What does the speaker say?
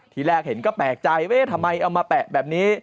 ทีแรกเห็นก็แปลกใจเอ๊ะทำไมเอามาแปะแบบนี้